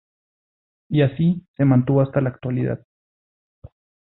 Y así se mantuvo hasta la actualidad.